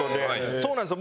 そうなんですよ。